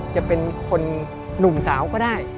จะเป็นคนหนุ่มสาวก็ได้